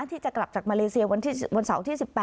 ที่จะกลับจากมาเลเซียวันเสาร์ที่๑๘